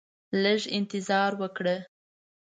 لږ انتظار وکړه